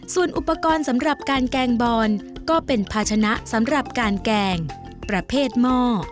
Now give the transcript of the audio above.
ส่วนอุปกรณ์สำหรับการแกงบอนก็เป็นภาชนะสำหรับการแกงประเภทหม้อ